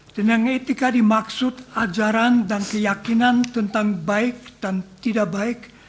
dan yang etika dimaksud ajaran dan keyakinan tentang baik dan tidak baik